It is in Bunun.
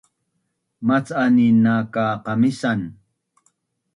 Mac’anin nak ka qamisan